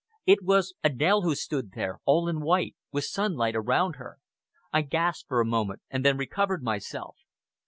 It was Adèle who stood there, all in white, with sunlight around her.... I gasped for a moment, and then recovered myself.